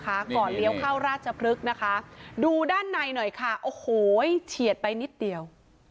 ก่อนเลี้ยวเข้าราชพฤกษ์นะคะดูด้านในหน่อยค่ะโอ้โหเฉียดไปนิดเดียว